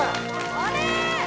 あれ？